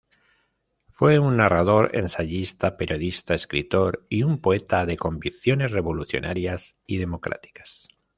Fue un narrador, ensayista, periodista, escritor y un poeta de convicciones revolucionarias y democráticas.